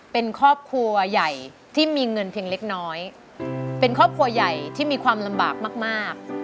เป็นครอบครัวใหญ่ที่มีเงินเพียงเล็กน้อยเป็นครอบครัวใหญ่ที่มีความลำบากมาก